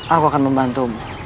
aku akan membantumu